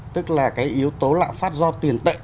tức là cái yếu tố lạm phát do tiền tệ